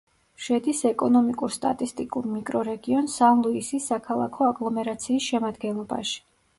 შედის ეკონომიკურ-სტატისტიკურ მიკრორეგიონ სან-ლუისის საქალაქო აგლომერაციის შემადგენლობაში.